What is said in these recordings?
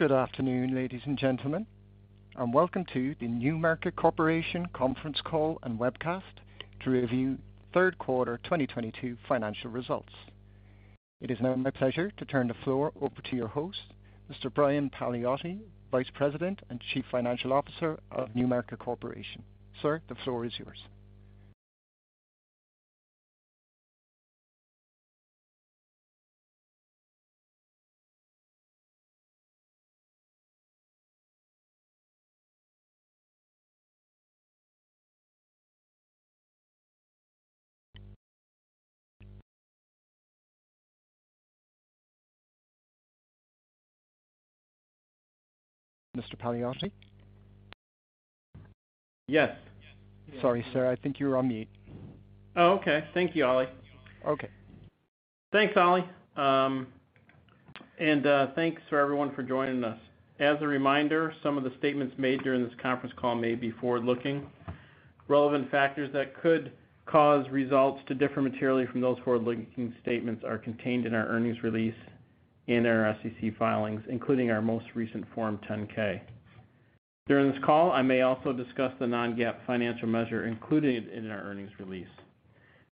Good afternoon, ladies and gentlemen, and welcome to the NewMarket Corporation conference call and webcast to review third quarter 2022 financial results. It is now my pleasure to turn the floor over to your host, Mr. Brian Paliotti, Vice President and Chief Financial Officer of NewMarket Corporation. Sir, the floor is yours. Mr. Paliotti? Yes. Sorry, sir. I think you were on mute. Oh, okay. Thank you, Ollie. Okay. Thanks, Ollie. Thanks to everyone for joining us. As a reminder, some of the statements made during this conference call may be forward-looking. Relevant factors that could cause results to differ materially from those forward-looking statements are contained in our earnings release in our SEC filings, including our most recent Form 10-K. During this call, I may also discuss the non-GAAP financial measure included in our earnings release.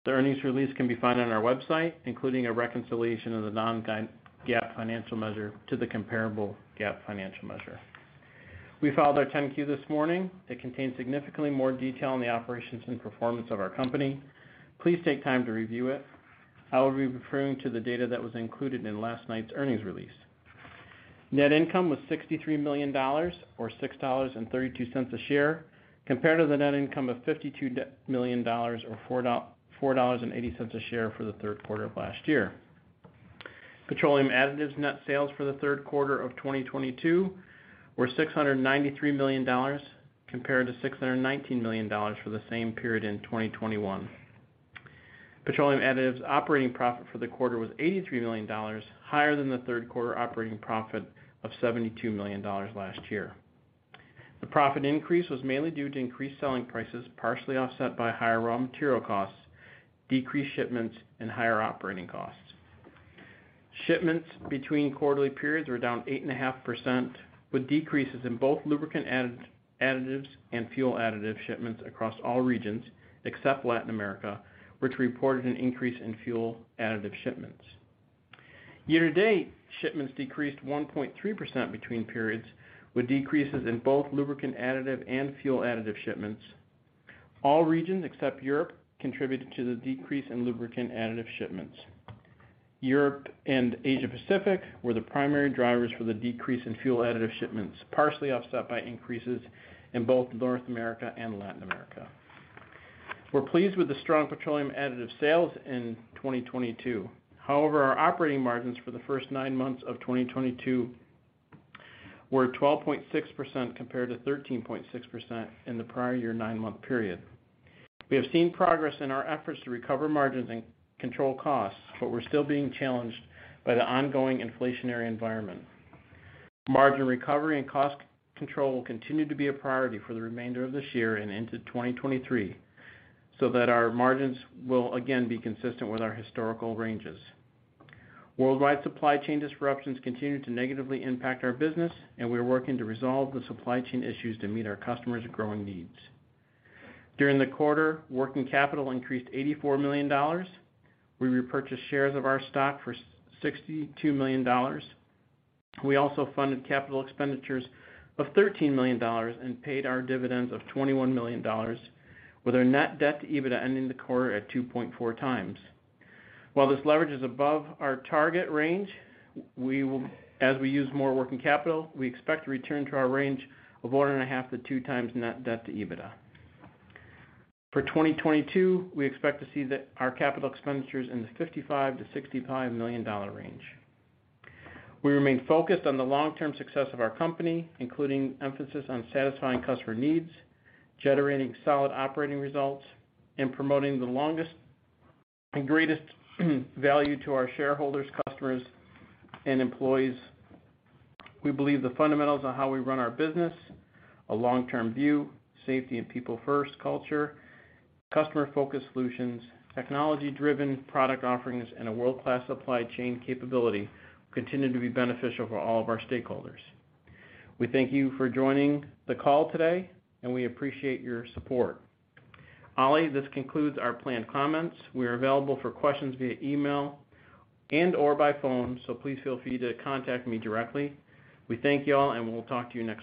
The earnings release can be found on our website, including a reconciliation of the non-GAAP financial measure to the comparable GAAP financial measure. We filed our Form 10-Q this morning. It contains significantly more detail on the operations and performance of our company. Please take time to review it. I will be referring to the data that was included in last night's earnings release. Net income was $63 million or $6.32 a share, compared to the net income of $52 million or $4.80 a share for the third quarter of last year. Petroleum additives net sales for the third quarter of 2022 were $693 million compared to $619 million for the same period in 2021. Petroleum additives operating profit for the quarter was $83 million, higher than the third quarter operating profit of $72 million last year. The profit increase was mainly due to increased selling prices, partially offset by higher raw material costs, decreased shipments, and higher operating costs. Shipments between quarterly periods were down 8.5%, with decreases in both lubricant additives and fuel additive shipments across all regions except Latin America, which reported an increase in fuel additive shipments. Year to date, shipments decreased 1.3% between periods, with decreases in both lubricant additive and fuel additive shipments. All regions except Europe contributed to the decrease in lubricant additive shipments. Europe and Asia Pacific were the primary drivers for the decrease in fuel additive shipments, partially offset by increases in both North America and Latin America. We're pleased with the strong petroleum additives sales in 2022. However, our operating margins for the first nine months of 2022 were 12.6% compared to 13.6% in the prior year nine-month period. We have seen progress in our efforts to recover margins and control costs, but we're still being challenged by the ongoing inflationary environment. Margin recovery and cost control will continue to be a priority for the remainder of this year and into 2023, so that our margins will again be consistent with our historical ranges. Worldwide supply chain disruptions continue to negatively impact our business, and we are working to resolve the supply chain issues to meet our customers' growing needs. During the quarter, working capital increased $84 million. We repurchased shares of our stock for $62 million. We also funded capital expenditures of $13 million and paid our dividends of $21 million, with our net debt to EBITDA ending the quarter at 2.4x. While this leverage is above our target range, as we use more working capital, we expect to return to our range of 1.5x-2x net debt to EBITDA. For 2022, we expect to see our capital expenditures in the $55 million-$65 million range. We remain focused on the long-term success of our company, including emphasis on satisfying customer needs, generating solid operating results, and promoting the longest and greatest value to our shareholders, customers, and employees. We believe the fundamentals on how we run our business, a long-term view, safety and people first culture, customer focused solutions, technology driven product offerings, and a world-class supply chain capability continue to be beneficial for all of our stakeholders. We thank you for joining the call today, and we appreciate your support. Ollie, this concludes our planned comments. We are available for questions via email and/or by phone, so please feel free to contact me directly. We thank you all, and we'll talk to you next quarter.